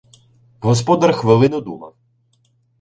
Господар хвилину думав.